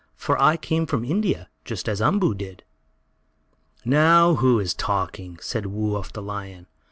For I came from India, just as Umboo did." "Now who is talking?" asked Woo Uff, the lion.